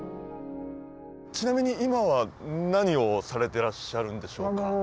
ちなみに今は何をされてらっしゃるんでしょうか？